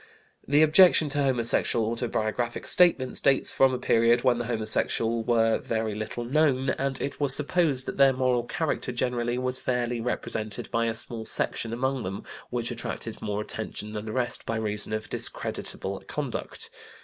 The objection to homosexual autobiographic statements dates from a period when the homosexual were very little known, and it was supposed that their moral character generally was fairly represented by a small section among them which attracted more attention than the rest by reason of discreditable conduct.